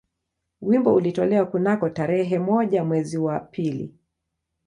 Wimbo ulitolewa kunako tarehe moja mwezi wa pili